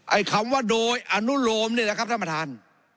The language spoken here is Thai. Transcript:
ไอ้คำว่าโดยอนุโลมเนี่ยนะครับท่านประธาน